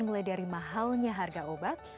mulai dari mahalnya harga obat